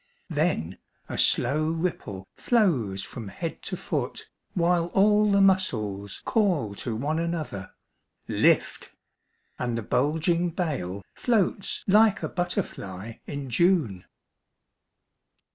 Then a slow ripple flows along the body, While all the muscles call to one another :" Lift !" and the bulging bale Floats like a butterfly in June.